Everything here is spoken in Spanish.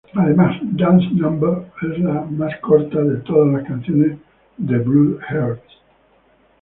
Además, "Dance Number" es la más corta de todas las canciones The Blue Hearts.